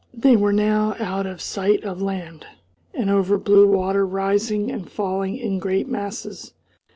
They were now out of sight of land, and over blue water rising and falling in great masses.